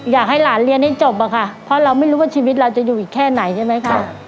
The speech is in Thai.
อยากให้หลานเรียนให้จบอะค่ะเพราะเราไม่รู้ว่าชีวิตเราจะอยู่อีกแค่ไหนใช่ไหมคะ